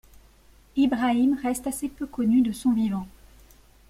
Ibrahim reste assez peu connu de son vivant.